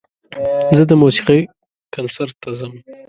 زه د موسیقۍ کنسرت ته ځم.